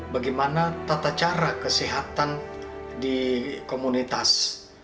bagaimana tata cara kesehatan di komunitas